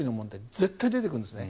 絶対に出てくるんですね。